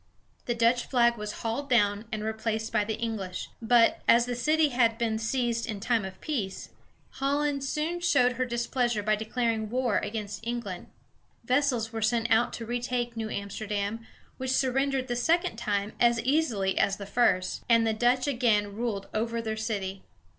The Dutch flag was hauled down and replaced by the English; but, as the city had been seized in time of peace, Holland soon showed her displeasure by declaring war against England. Vessels were sent out to retake New Amsterdam, which surrendered the second time as easily as the first, and the Dutch again ruled over their city.